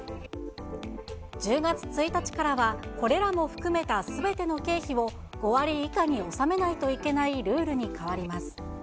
１０月１日からは、これらも含めたすべての経費を、５割以下に収めないといけないルールに変わります。